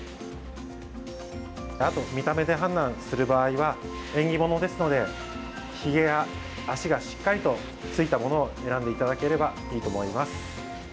あと見た目で判断する場合は縁起物ですのでひげや脚がしっかりと付いたものを選んでいただければいいと思います。